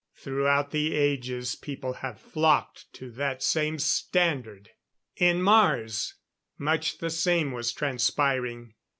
Throughout the ages people have flocked to that same standard! In Mars, much the same was transpiring.